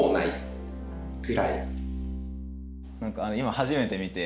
今初めて見て。